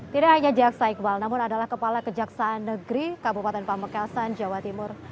tidak hanya jaksa iqbal namun adalah kepala kejaksaan negeri kabupaten pamekasan jawa timur